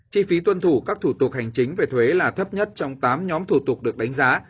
chi phí tuân thủ các thủ tục hành chính về thuế là thấp nhất trong tám nhóm thủ tục được đánh giá